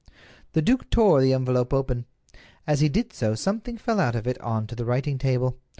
The duke tore the envelope open. As he did so something fell out of it on to the writing table.